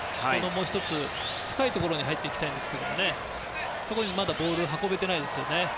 もう１つ、深いところに入っていきたいんですけどそこにまだボールを運べてないですね。